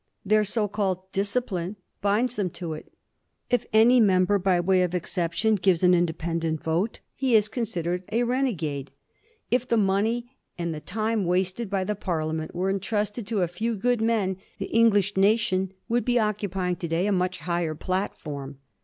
Their so called discipline binds them to it. If any member, by way of exception, gives an independent vote, he is considered a renegade. If the money and the time wasted by the Parliament were entrusted to a few good men, the English nation would be occupying to day a much higher platform.